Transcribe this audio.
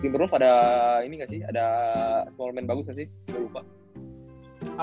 timberwolves ada ini gak sih ada small man bagus gak sih gak lupa